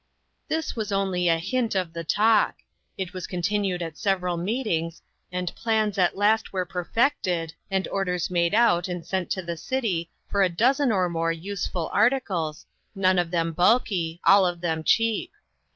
This is only a hint of the talk. It was continued at several meetings, arid plans at last were perfected, and orders made out and sent to the city for a dozen or more useful articles, none of them bulky, all of them cheap.